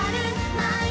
はい！